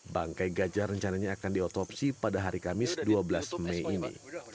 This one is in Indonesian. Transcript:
bangkai gajah rencananya akan diotopsi pada hari kamis dua belas mei ini